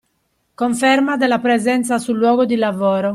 Conferma della presenza sul luogo di lavoro.